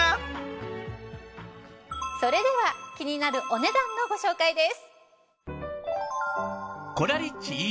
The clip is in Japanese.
それでは気になるお値段のご紹介です。